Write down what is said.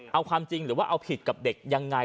เอาความจริงหรือว่าเอาผิดกับเด็กยังไง